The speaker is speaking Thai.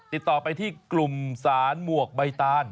ติดต่อไปที่กลุ่มสารหมวกใบตาน